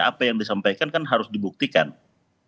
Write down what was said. ada misalnya perdana dan absensenya disanda